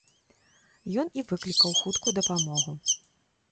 Ён і выклікаў хуткую дапамогу.